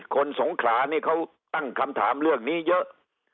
สงขลานี่เขาตั้งคำถามเรื่องนี้เยอะ